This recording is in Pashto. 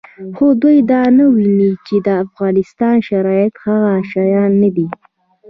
خو دوی دا نه ویني چې د افغانستان شرایط هغه شان نه دي